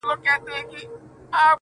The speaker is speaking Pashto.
خلک غوټۍ ته روڼي شپې کړي٫